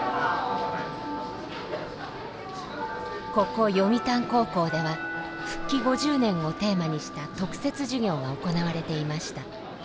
ここ読谷高校では復帰５０年をテーマにした特設授業が行われていました。